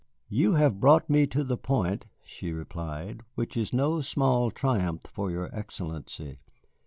"You have brought me to the point," she replied, "which is no small triumph for your Excellency.